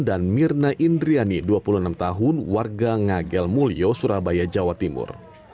dan mirna indriani dua puluh enam tahun warga ngagel mulyo surabaya jawa timur